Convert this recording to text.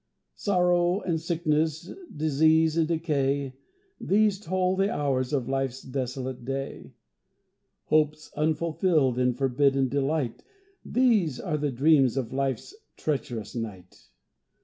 Sorrow and sickness, disease and decay These toll the hours of Life's desolate day; Hopes unfulfilled and forbidden delight These are the dreams of Life's treacherous night.